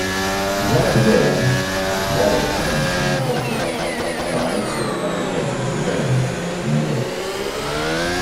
His elder brother, Robert Livingston Gerry, died several hours later in Delhi, New York.